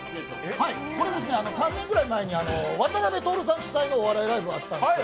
これ、３年ぐらい前に渡辺徹さん主催のカラオケ会があったんです。